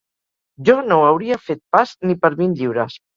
Jo no ho hauria fet pas ni per vint lliures